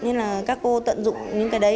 đặc biệt là các điểm trường vùng cao giáp biên giới